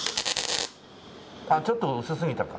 ちょっと薄すぎたか。